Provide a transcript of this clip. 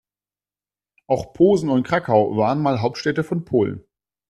Auch Posen und Krakau waren mal Hauptstädte von Polen.